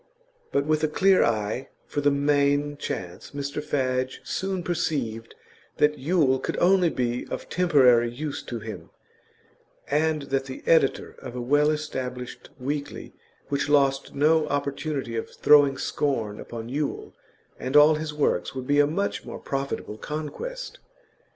But with a clear eye for the main chance Mr Fadge soon perceived that Yule could only be of temporary use to him, and that the editor of a well established weekly which lost no opportunity of throwing scorn upon Yule and all his works would be a much more profitable conquest.